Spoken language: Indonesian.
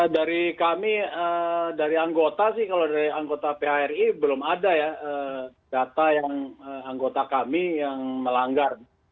dari kami dari anggota sih kalau dari anggota phri belum ada ya data yang anggota kami yang melanggar